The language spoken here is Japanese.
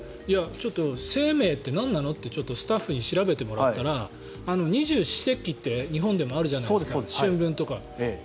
清明ってなんなの？ってスタッフに調べてもらったら二十四節気って日本でもあるじゃないですか春分とか。